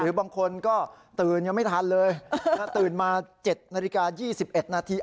บางคนก็ตื่นยังไม่ทันเลยตื่นมา๗นาฬิกา๒๑นาที